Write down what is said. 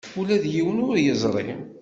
Ula d yiwen ur yeẓri.